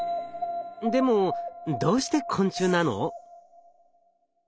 でもどうして昆虫なの？